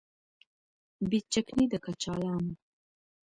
بې چکنۍ د کچالانو